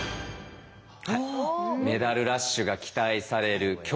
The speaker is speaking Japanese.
メダルラッシュが期待される競泳。